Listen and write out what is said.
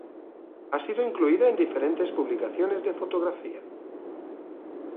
Ha sido incluida en diferentes publicaciones de fotografía.